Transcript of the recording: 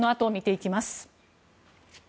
このあと見ていきます。